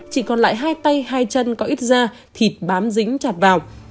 chỉ còn lại hai tay hai chân có ít da thịt bám dính chặt vào